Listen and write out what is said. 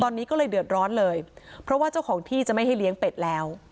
ตอนนี้ก็เลยเดือดร้อนเลยเพราะว่าเจ้าของที่จะไม่ให้เลี้ยงเป็ดแล้ว